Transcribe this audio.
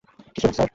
কিছু না, স্যার।